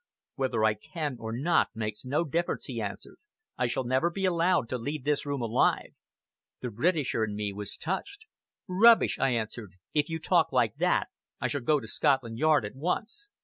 "Whether I can or not makes no difference," he answered. "I shall never be allowed to leave this room alive." The Britisher in me was touched. "Rubbish," I answered, "if you talk like that, I shall go to Scotland Yard at once.